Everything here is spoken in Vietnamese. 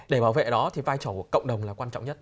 để bảo vệ đó thì vai trò của cộng đồng là quan trọng nhất